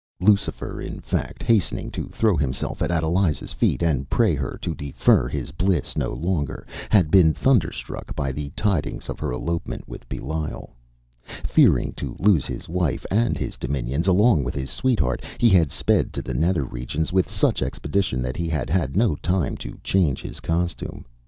Lucifer, in fact, hastening to throw himself at Adeliza’s feet and pray her to defer his bliss no longer, had been thunderstruck by the tidings of her elopement with Belial. Fearing to lose his wife and his dominions along with his sweetheart, he had sped to the nether regions with such expedition that he had had no time to change his costume.